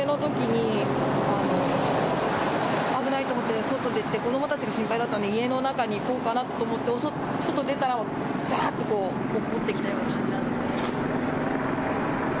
危ないと思って外出て、子どもたちが心配だったんで、家の中に行こうかなと思って、外出たらざーっとおっこってきたような感じなんで。